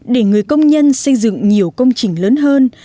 để người công nhân xây dựng nhiều công trình lớn hơn